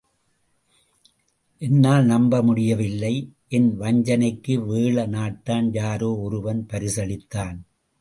என்னால் நம்ப முடியவில்லை!... என் வஞ்சனைக்கு வேழ நாட்டான் யாரோ ஒருவன் பரிசளித்தான்.